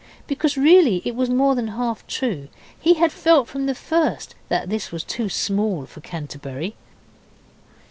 Because really it was more than half true. He had felt from the first that this was too small for Canterbury.